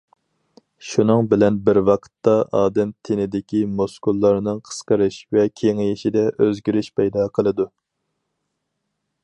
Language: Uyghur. شۇنىڭ بىلەن بىر ۋاقىتتا ئادەم تېنىدىكى مۇسكۇللارنىڭ قىسقىرىش ۋە كېڭىيىشىدە ئۆزگىرىش پەيدا قىلىدۇ.